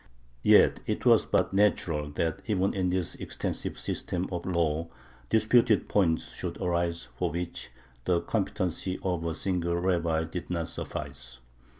Yet it was but natural that even in this extensive system of law disputed points should arise for which the competency of a single rabbi did not suffice.